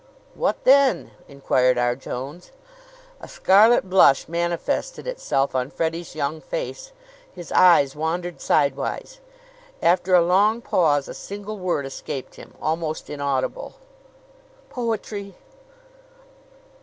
"What then?" inquired R. Jones. A scarlet blush manifested itself on Freddie's young face. His eyes wandered sidewise. After a long pause a single word escaped him, almost inaudible: "Poetry!"